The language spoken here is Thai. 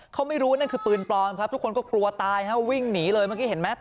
เขาไม่รู้ว่านั่นคือปืนปลอมครับทุกคนก็กลัวตายฮะวิ่งหนีเลยเมื่อกี้เห็นไหม